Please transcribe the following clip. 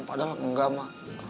padahal enggak ma